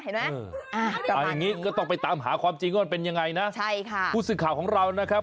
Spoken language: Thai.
อย่างนี้ก็ต้องไปตามหาความจริงว่าเป็นยังไงนะคุณสิทธิ์ข่าวของเรานะครับ